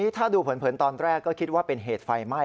ถ้าดูเผินตอนแรกก็คิดว่าเป็นเหตุไฟไหม้